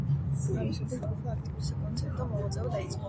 ამის შემდეგ ჯგუფმა აქტიური საკონცერტო მოღვაწეობა დაიწყო.